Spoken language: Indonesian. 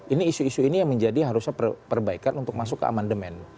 ini isu isu ini yang menjadi harusnya perbaikan untuk masuk ke amandemen